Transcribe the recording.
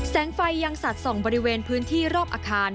ไฟยังสัดส่องบริเวณพื้นที่รอบอาคาร